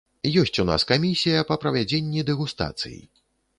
Ёсць у нас камісія па правядзенні дэгустацый.